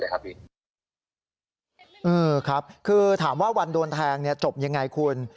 ครับคือถามว่าวันโดนแทงจบยังไงคุณ